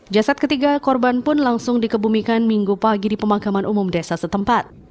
jasad ketiga korban pun langsung dikebumikan minggu pagi di pemakaman umum desa setempat